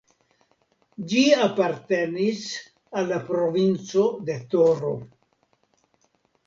Ĝi apartenis al la Provinco de Toro.